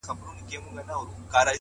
هره لاسته راوړنه خپل قیمت لري